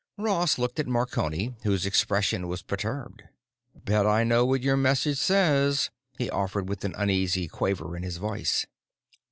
Ross looked at Marconi, whose expression was perturbed. "Bet I know what your message says," he offered with an uneasy quaver in his voice.